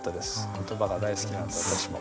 言葉が大好きなので私も。